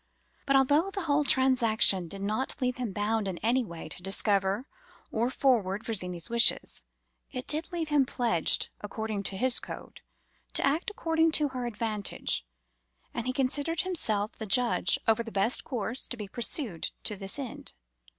But, although the whole transaction did not leave him bound, in any way, to discover or forward Virginie's wishes, it did leave him pledged, according to his code, to act according to her advantage, and he considered himself the judge of the best course to be pursued to this end.